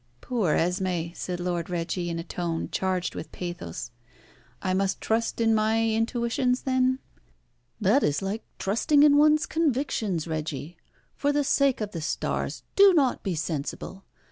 "Poor Esmé," said Lord Reggie, in a tone charged with pathos, "I must trust in my intuitions, then?" "That is like trusting in one's convictions, Reggie. For the sake of the stars do not be sensible.